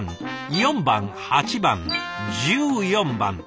４番８番１４番。